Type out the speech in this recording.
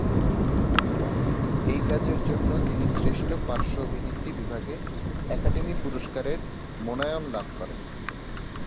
এই কাজের জন্য তিনি শ্রেষ্ঠ পার্শ্ব অভিনেত্রী বিভাগে একাডেমি পুরস্কারের মনোনয়ন লাভ করেন।